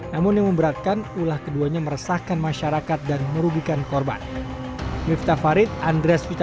namun yang memberatkan ulah keduanya meresahkan masyarakat dan merugikan korban